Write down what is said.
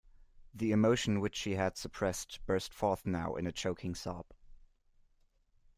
The emotion which she had suppressed burst forth now in a choking sob.